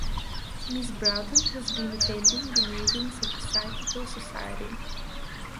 Miss Broughton has been attending the meetings of the Psychical Society.